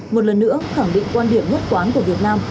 một lần nữa khẳng định quan điểm nhất quán của việt nam